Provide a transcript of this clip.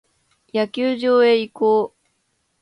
野球場へ移行。